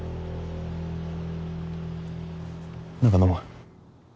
何か飲む？